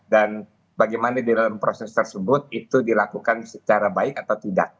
dan bagaimana di dalam proses tersebut itu dilakukan secara baik atau tidak